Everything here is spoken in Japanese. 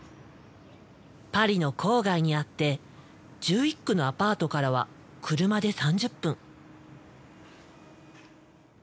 パリの郊外にあって１１区のアパートからは車で３０分。